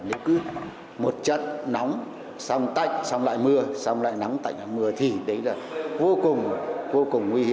là do mùa hè đến sớm thời tiết thay đổi thất thường